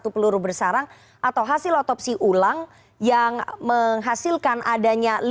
satu peluru bersarang atau hasil otopsi ulang yang menghasilkan adanya